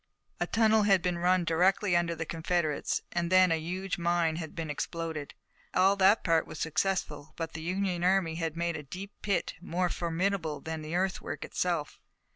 A tunnel had been run directly under the Confederates, and then a huge mine had been exploded. All that part was successful, but the Union army had made a deep pit, more formidable than the earthwork itself.